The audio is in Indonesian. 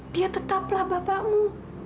dia tetaplah bapakmu